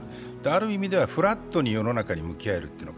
ある意味でフラットに世の中に向き合えるという。